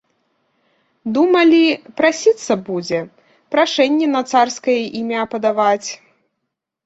Думалі, прасіцца будзе, прашэнні на царскае імя падаваць.